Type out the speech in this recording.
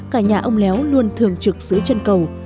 cả nhà ông léo luôn thường trực dưới chân cầu